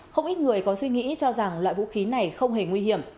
không ít người có suy nghĩ cho rằng loại vũ khí này không hề nguy hiểm